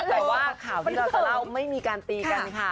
แต่ว่าข่าวที่เราจะเล่าไม่มีการตีกันค่ะ